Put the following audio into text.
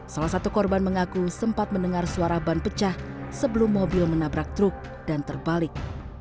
salah satu korban mengaku sempat mendengar suara ban pecah sebelum mobil menabrak truk dan terbalik